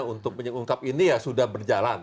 untuk mengungkap ini ya sudah berjalan